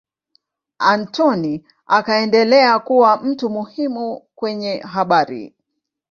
Anthony akaendelea kuwa mtu muhimu kwenye habari.